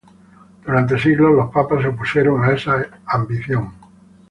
Durante siglos los papas se opusieron a esa ambición.